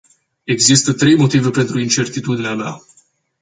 Există trei motive pentru incertitudinea mea.